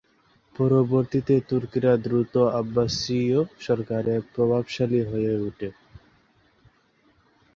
পরবর্তীতে তুর্কিরা দ্রুত আব্বাসীয় সরকারে প্রভাবশালী হয়ে উঠে।